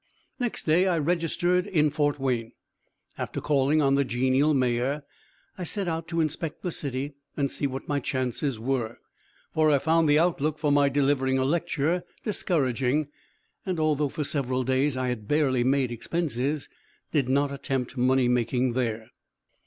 Next day I registered in Fort Wayne. After calling on the genial Mayor, I set out to inspect the city and see what my chances were, for I found the outlook for my delivering a lecture discouraging, and, although for several days I had barely made expenses, did not attempt money making there.